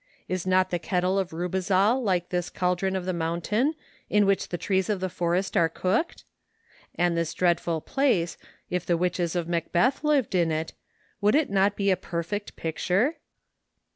Is not the kettle of Rubezahl like this caldron of the mountain, in which the trees of the forest are cooked ? And this dreadful place — if the witches of Macbeth lived in it — would it not be a perfect picture